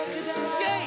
イェイ！